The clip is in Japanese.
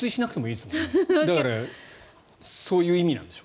だからそういう意味なんでしょう。